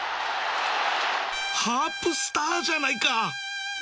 ハープスターじゃないか